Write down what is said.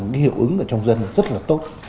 một cái hiệu ứng ở trong dân rất là tốt